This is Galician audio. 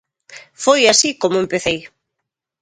Foi así como empecei.